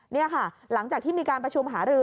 นี่ค่ะหลังจากที่มีการประชุมหารือ